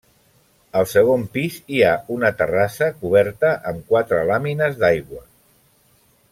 Al segon pis hi ha una terrassa, coberta amb quatre làmines d'aigua.